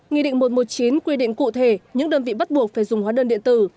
nghị định một trăm một mươi chín quy định cụ thể những đơn vị bắt buộc phải dùng hóa đơn điện tử